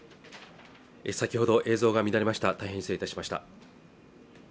先ほど映像が乱れました大変失礼いたしました